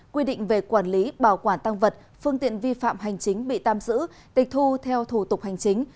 quy định về quản lý bảo quản tăng vật phương tiện vi phạm hành chính bị tạm giữ tịch thu theo thủ tục hành chính